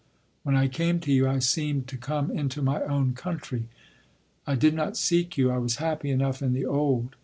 When I came to you I seemed to come into my own country.... I did not seek you. I was happy enough in the old.